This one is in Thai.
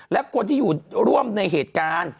และคนที่อยู่ร่วมในเหตุการณ์